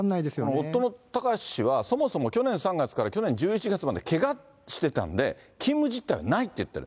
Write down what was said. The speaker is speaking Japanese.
夫の貴志氏はそもそも去年３月から去年１１月までけがしてたんで、勤務実態はないって言ってる。